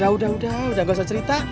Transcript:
udah gak usah cerita